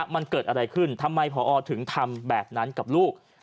มันเกิดอะไรขึ้นทำไมพอถึงทำแบบนั้นกับลูก